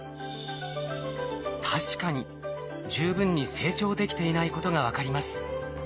確かに十分に成長できていないことが分かります。